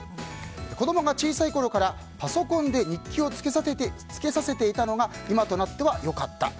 子供が小さいころからパソコンで日記をつけさせていたのが今となっては良かった。